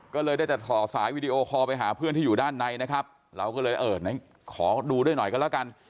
ก็เลยได้แต่ถ่อสายวีดีโอคอลไปหาเพื่อนที่อยู่ด้านในนะครับเราก็เลยเออไหนขอดูด้วยหน่อยกันแล้วกัน